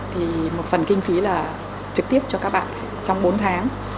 thì một phần kinh phí là trực tiếp cho các bạn trong bốn tháng